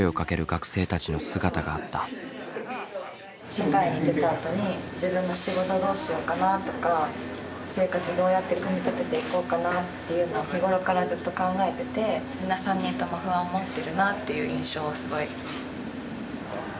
社会に出たあとに自分の仕事どうしようかなとか生活をどうやって組み立てていこうかなっていうのを日ごろからずっと考えてて３人とも不安を持ってるなっていう印象をすごく。